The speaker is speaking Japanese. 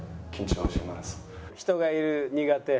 「人がいる苦手」。